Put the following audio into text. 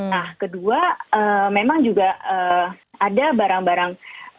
nah kedua memang juga ada barang barang